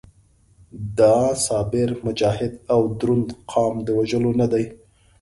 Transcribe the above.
دا صابر، مجاهد او دروند قام د وژلو نه دی.